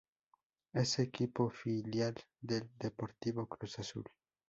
Es equipo filial del Deportivo Cruz Azul.